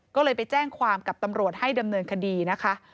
ก็เลยไปแจ้งความกับตำรวจให้ดำเนินคดีนะคะ